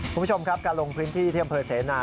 คุณผู้ชมครับการลงพื้นที่ที่อำเภอเสนา